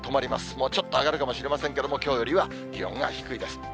もうちょっと上がるかもしれませんけれども、きょうよりは気温が低いです。